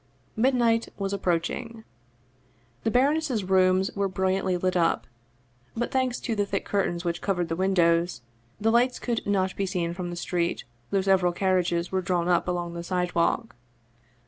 Midnight was approaching. The baroness's rooms were brilliantly lit up, but, thanks to the thick curtains which covered the windows, the lights could not be seen from the street, though several carriages were drawn up along the sidewalk.